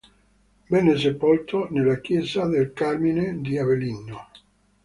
Venne sepolto nella chiesa del Carmine di Avellino.